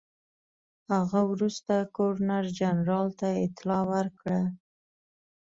هغه وروسته ګورنرجنرال ته اطلاع ورکړه.